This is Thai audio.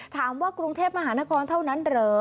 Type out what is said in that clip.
ถามว่ากรุงเทพมหานครเท่านั้นเหรอ